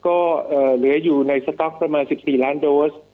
ก็เหลืออยู่ในสต๊อกประมาณ๑๔ล้านโดส